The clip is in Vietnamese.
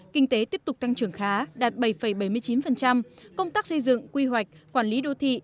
kinh tế tiếp tục tăng trưởng khá đạt bảy bảy mươi chín công tác xây dựng quy hoạch quản lý đô thị